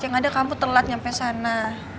ya ga ada kamu telat nyampe sana